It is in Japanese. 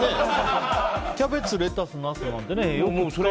キャベツ、レタスナスなんてね。